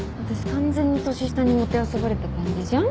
完全に年下にもてあそばれた感じじゃん。